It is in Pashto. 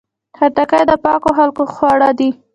خټکی د پاکو خلکو خوړ دی.